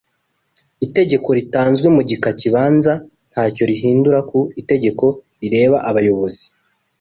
Itegeko ritanzwe mu gika kibanza ntacyo rihindura ku itegeko rireba abayobozi